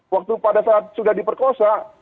waktu pada saat sudah diperkosa